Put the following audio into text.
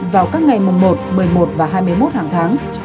vào các ngày mùng một một mươi một và hai mươi một hàng tháng